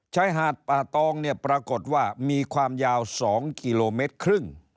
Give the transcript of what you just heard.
ชายหาดป่าตองปรากฏว่ามีความยาว๒๕กิโลเมตร